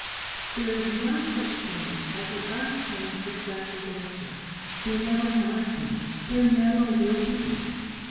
There is no such thing as an untrained successful dancer; there never has been; there never will be.